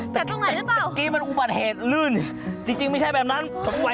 แต่ตอนนั้นมันอุบันแหดลื่นจริงไม่ใช่แบบนั้นผมไหว